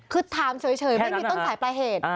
คือถามเฉยไม่มีต้นสายปลายเหตุ